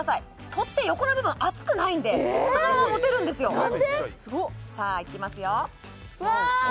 取っ手横の部分熱くないんでそのまま持てるんですよさあいきますよわあ